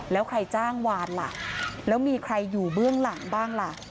แล้วใครจ้างวานล่ะแล้วมีใครอยู่เบื้องหลังบ้างล่ะ